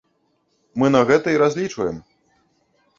Мы на гэта і разлічваем.